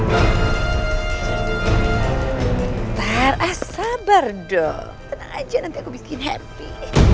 ntar sabar dong tenang aja nanti aku bikin happy